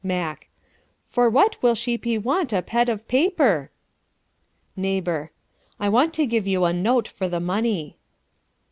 "Mack: 'For what will she pe want a pet of paaper?' "Neighbor: 'I want to give you a note for the money.'